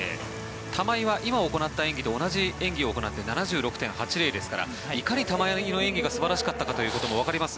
玉井は今行った演技と同じ演技を行って７６．８０ですからいかに玉井の演技が素晴らしかったかもわかります。